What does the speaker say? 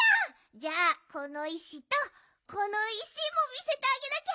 じゃあこのいしとこのいしもみせてあげなきゃ。